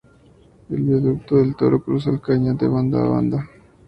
El Viaducto del Toro cruza el cañón de banda a banda.